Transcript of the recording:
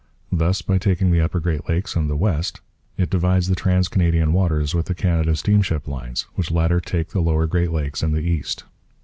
Thus, by taking the upper Great Lakes and the West, it divides the trans Canadian waters with the Canada Steamship Lines, which latter take the lower Great Lakes and the East.